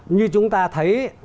như chúng ta thấy